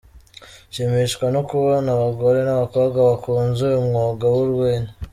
Nshimishwa no kubona abagore n’abakobwa bakunze uyu mwuga w’urwenya.